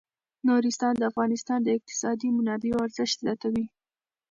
نورستان د افغانستان د اقتصادي منابعو ارزښت زیاتوي.